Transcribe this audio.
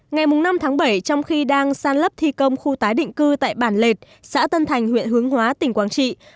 ngày năm tháng bảy trong khi đang san lấp thi công khu tái định cư tại bản lệt xã tân thành huyện hướng hóa tỉnh quảng trị